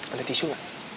ada tisu gak